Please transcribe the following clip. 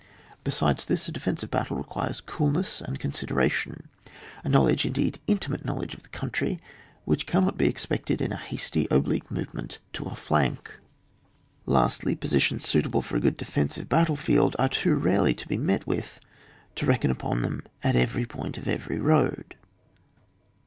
Besides this, a defensive battle requires coolness and consideration, a knowledge, indeed inti mate knowledge of the country, which cannot be expected in a hasty oblique movement to a flank. Lastly, positions suitable for a good defensive battle field are too rarely to be met with to reckon upon them at every point of every road.